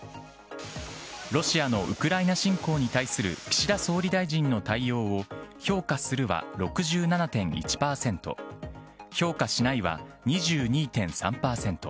ロシアのウクライナ侵攻に対する岸田総理大臣の対応を評価するは６７．１％、評価しないは２２．３％。